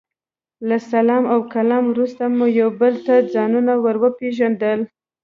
له سلام او کلام وروسته مو یو بل ته ځانونه ور وپېژندل.